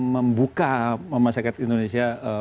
membuka masyarakat indonesia